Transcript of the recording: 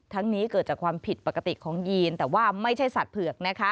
นี้เกิดจากความผิดปกติของยีนแต่ว่าไม่ใช่สัตว์เผือกนะคะ